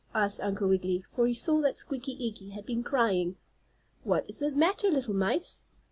asked Uncle Wiggily, for he saw that Squeaky Eeky had been crying. "What is the matter, little mice?"